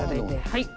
はい。